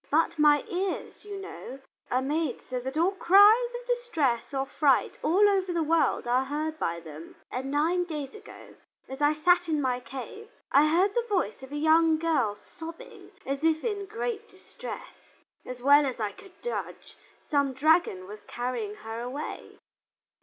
But my ears, you know, are made so that all cries of distress or fright all over the world are heard by them. And nine days ago, as I sat in my cave, I heard the voice of a young girl sobbing as if in great distress. As well as I could judge, some dragon was carrying her away."